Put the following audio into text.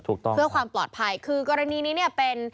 ถูกต้องเพื่อความปลอดภัยคือกรณีนี้เนี่ยเป็น